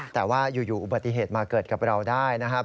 แต่ว่าอยู่อุบัติเหตุมาเกิดกับเราได้นะครับ